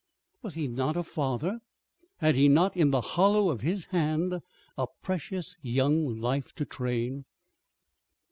Was he not a father? Had he not, in the hollow of his hand, a precious young life to train?